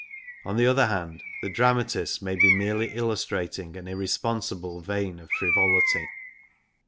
On the other hand, the dramatist may be merely illustrating an irresponsible vein of frivolity.